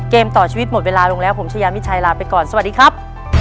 ต่อชีวิตหมดเวลาลงแล้วผมชายามิชัยลาไปก่อนสวัสดีครับ